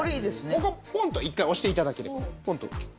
ここポンと１回押して頂ければポンと。